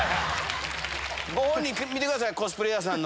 ご本人見てください、コスプレヤーさんの。